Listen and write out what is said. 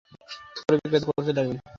ক্রয়-বিক্রয় করতে লাগলেন।